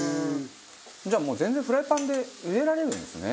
じゃあもう全然フライパンで茹でられるんですね。